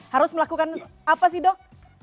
harus melakukan apa sih dok